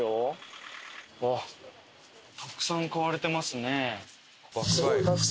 うわったくさん買われてますね。